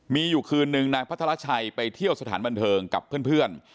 มีอยู่คืนนึงนางพัทรชัยไปเที่ยวสถานบันเทิงกับเพื่อน